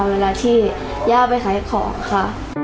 เวลาที่ย่าไปขายของค่ะ